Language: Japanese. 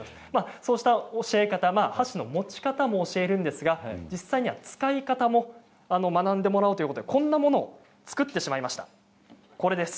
こうした教え方、箸の持ち方も教えるんですが実際には使い方も学んでもらおうということでこんなものも作ってしまいました。